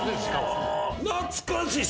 懐かしい！